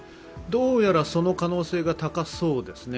どうやらその可能性が高そうですね。